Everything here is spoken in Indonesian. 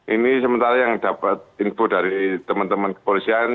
ini sementara yang dapat info dari teman teman kepolisian